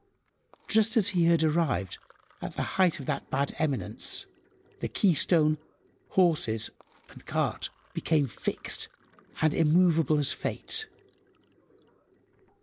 Just as he had arrived at "the height of that bad eminence," the keystone, horses and cart became fixed and immovable as fate.